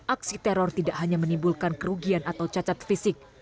aksi teror tidak hanya menimbulkan kerugian atau cacat fisik